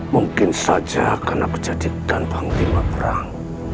mungkin saja akan aku jadikan banglima perang